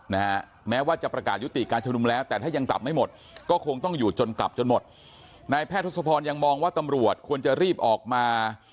นายแพทย์ทศพรยังมองว่าตำรวจควรจะรีบออกมา